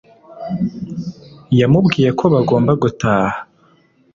yamubwiye ko bagomba gutaha